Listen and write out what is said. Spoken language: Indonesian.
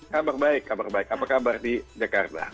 kabar baik kabar baik apa kabar di jakarta